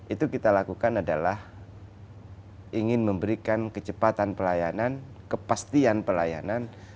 itu kita lakukan adalah ingin memberikan kecepatan pelayanan kepastian pelayanan